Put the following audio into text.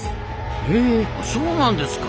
へそうなんですか。